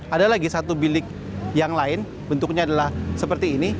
ada lagi satu bilik yang lain bentuknya adalah seperti ini